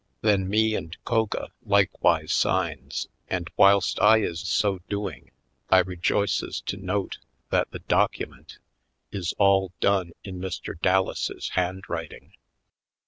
Then me and Koga likewise signs and whilst I is so doing I re joices to note that the document is all done in Mr. Dallases' handwriting.